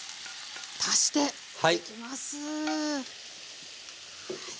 足していきます。